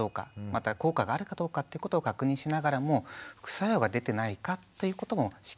また効果があるかどうかってことを確認しながらも副作用が出てないかということもしっかり確認しているんですね。